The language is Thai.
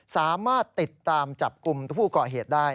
สามารถติดตามจับกลุ่มผู้ก่อเหตุได้